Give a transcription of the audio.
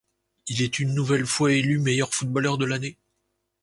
Il est une nouvelle fois élu meilleur footballeur de l’année.